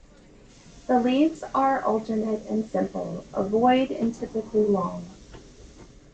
The leaves are alternate and simple, ovoid, and typically long.